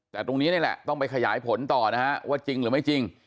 แต่ตรงนี้นี่แหละต้องไปขยายผลต่อนะฮะว่าจริงหรือไม่จริง